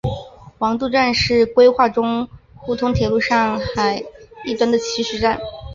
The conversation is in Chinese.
黄渡站是规划中沪通铁路上海一端的起始站。